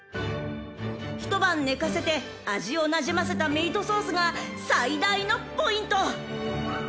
［一晩寝かせて味をなじませたミートソースが最大のポイント］